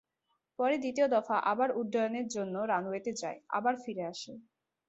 পরে দ্বিতীয় দফা আবার উড্ডয়নের জন্য রানওয়েতে যায়, আবার ফিরে আসে।